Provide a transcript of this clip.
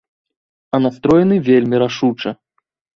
А настроены вельмі рашуча.